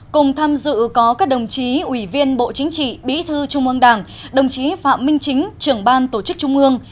cùng tham dự có các đồng chí ủy viên bộ chính trị bí thư trung ương đảng đồng chí phạm minh chính trưởng ban tổ chức trung ương